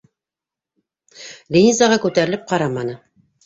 Линизаға күтәрелеп ҡараманы.